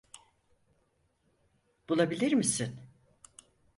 Bulabilir misin?